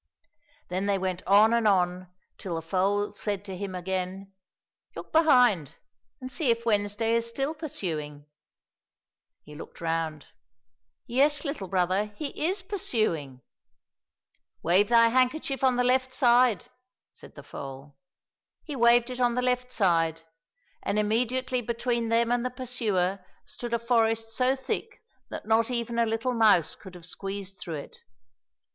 Then they went on and on till the foal said to him again, " Look behind, and see if Wednesday is still pursuing !"— He looked round. *' Yes, little brother, he is pursuing !"—" Wave thy handkerchief on the left side !" said the foal. He waved it on the left side, and immediately between them and the pursuer stood a forest so thick that not 256 THE FORTY FIRST BROTHER even a little mouse could have squeezed through it.